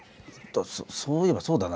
そういえばそうだな。